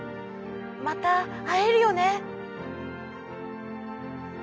「またあえるよね」。